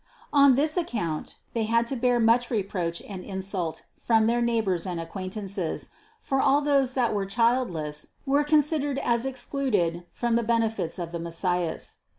On this account they had to bear much reproach and insult from their neigh bors and acquaintances, for all those that were child less, were considered as excluded from the benefits of the Messias.